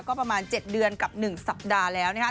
ก็ประมาณ๗เดือนกับ๑สัปดาห์แล้วนะคะ